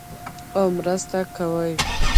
او مرسته کوي.